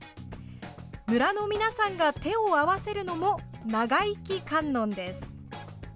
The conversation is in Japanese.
村の皆さんが手を合わせるのも長生観音です。